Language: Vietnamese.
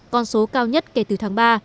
con số cao nhất kể từ tháng ba